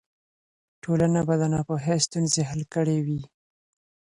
ټولنه به د ناپوهۍ ستونزې حل کړې وي.